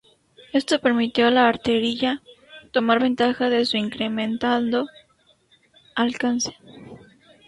Esto permitió a la artillería tomar ventaja de su incrementado alcance.